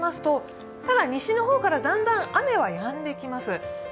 ただ、西の方からだんだん雨はやんできます。